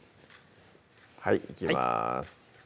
はいいきます